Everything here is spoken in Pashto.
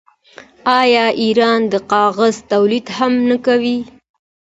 آیا ایران د کاغذ تولید هم نه کوي؟